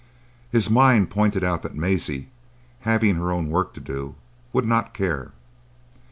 His mind pointed out that Maisie, having her own work to do, would not care.